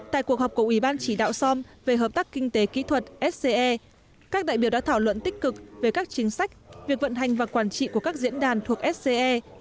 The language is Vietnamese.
tại cuộc họp của ủy ban chỉ đạo som về hợp tác kinh tế kỹ thuật sce các đại biểu đã thảo luận tích cực về các chính sách việc vận hành và quản trị của các diễn đàn thuộc sce